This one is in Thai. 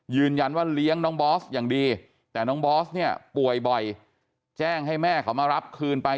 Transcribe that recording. ยืนยันว่าเลี้ยงน้องบอสอย่างดีแต่น้องบอสเนี่ยป่วยบ่อยแจ้งให้แม่เขามารับคืนไป